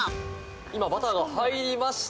今、バターが入りました。